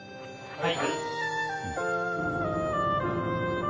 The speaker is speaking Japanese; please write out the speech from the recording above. はい。